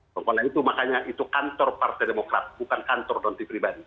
pokoknya itu makanya itu kantor partai demokrat bukan kantor donti pribadi